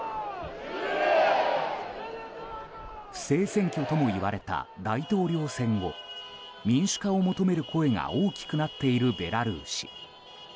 不正選挙ともいわれた大統領選後民主化を求める声が大きくなっているベラルーシ。